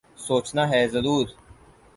سوچنا ہے ضرور ۔